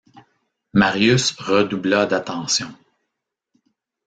Marius redoubla d’attention.